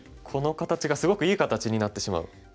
この形がすごくいい形になってしまう。